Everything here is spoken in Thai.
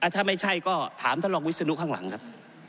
ถ้าไม่ใช่ก็ถามท่านรองวิศนุข้างหลังครับ